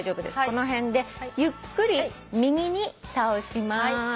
この辺でゆっくり右に倒します。